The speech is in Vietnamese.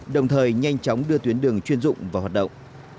đồng thời nhanh chóng đưa tuyến đường chuyên dụng vào hoạt động